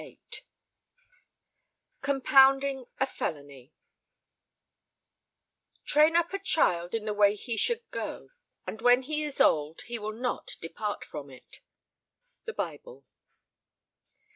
COMPOUNDING A FELONY "Train up a child in the way he should go: and when he is old, he will not depart from it." _Bible.